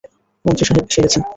মন্ত্রী সাহেব এসে গেছেন।